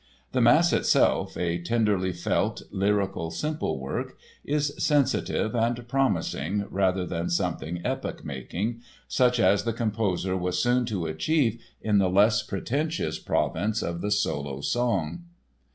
The Mass itself, a tenderly felt, lyrical, simple work, is sensitive and promising rather than something epoch making, such as the composer was soon to achieve in the less pretentious province of the solo song.